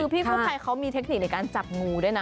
กู้ไพรเขามีเทคนิคในการจับหมูด้วยนะ